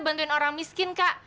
pondong kotak lagi nah